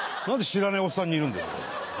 何で知らないおっさんに似るんだよ。